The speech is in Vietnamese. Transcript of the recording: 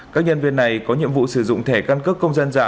các nhân viên này có nhiệm vụ sử dụng thẻ căn cước công dân giả